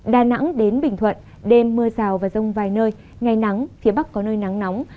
đà nẵng đến bình thuận đêm mưa rào và rông vài nơi ngày nắng phía bắc có nơi nắng nóng